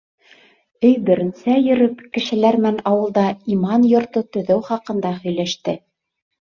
Өй беренсә йөрөп, кешеләр менән ауылда иман йорто төҙөү хаҡында һөйләште.